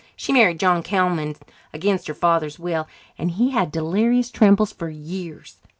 She married John Callman against her father's will, and he had delirious trembles for years.